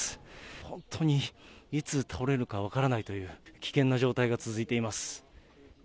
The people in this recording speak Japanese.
本当にいつ倒れるか分からないという、危険な状態が続いています。